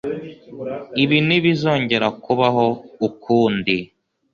ibi ntibizongera kubaho ukundi